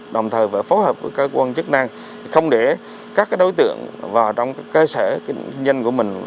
đồng thời phải phối hợp với cơ quan chức năng không để các đối tượng vào trong cơ sở kinh doanh của mình